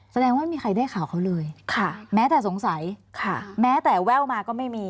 แสดงว่าไม่มีใครได้ข่าวเขาเลยแม้แต่สงสัยแม้แต่แว่วมาก็ไม่มี